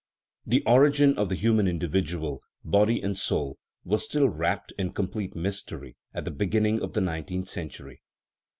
The origin of the human individual body and soul was still wrapped in complete mystery at the begin ning of the nineteenth century.